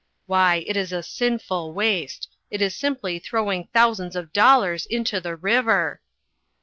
" Why, it is a sinful waste ; it is simply throwing thousands of dollars into the river."